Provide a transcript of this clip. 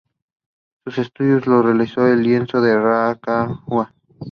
The staff was joined by onetime Spurs superstar Tim Duncan.